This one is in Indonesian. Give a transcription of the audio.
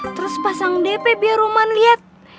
terus pasang dp biar roman liat